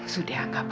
sudah gak apa apa